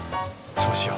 そうしよう。